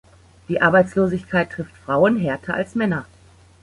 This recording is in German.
Die Arbeitslosigkeit trifft Frauen härter als Männer.